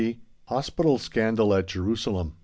HOSPITAL SCANDAL AT JERUSALEM.